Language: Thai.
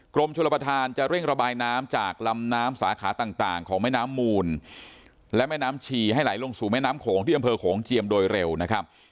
กรมชนประธานจะเร่งระบายน้ำจากลำน้ำสาขาต่างของแม่น้ำมูลและแม่น้ำฉี่ให้ไหลลงสู่แม่น้ำโขงที่อำเภอโขงเจียมโดยเร็วนะครับ